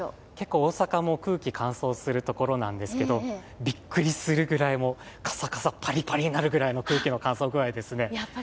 大阪も空気乾燥するんですけどびっくりするくらいカサカサ、パリパリするぐらいの空気の乾燥具合ですね。